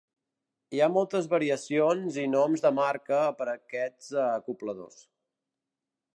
Hi ha moltes variacions i noms de marca per a aquests acobladors.